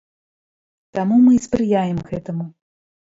Таму мы і спрыяем гэтаму.